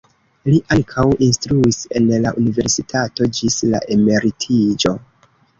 Li ankaŭ instruis en la universitato ĝis la emeritiĝo.